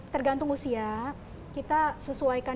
tergantung usia kita sesuaikan